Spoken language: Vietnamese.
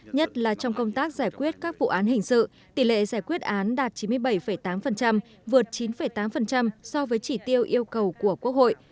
nhất là trong công tác giải quyết các vụ án hình sự tỷ lệ giải quyết án đạt chín mươi bảy tám vượt chín tám so với chỉ tiêu yêu cầu của quốc hội